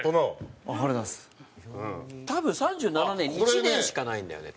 多分１９３７年１年しかないんだよね。